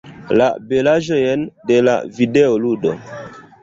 La belaĵojn de la videoludo.